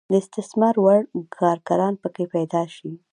د استثمار وړ کارګران پکې پیدا شي.